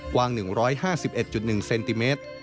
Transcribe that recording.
กว้าง๑๕๑๑เซนติเมตร